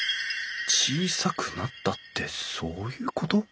小さくなったってそういうこと？